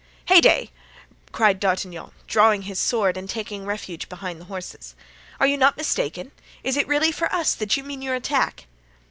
"Heyday!" cried D'Artagnan, drawing his sword and taking refuge behind his horse; "are you not mistaken? is it really for us that you mean your attack?"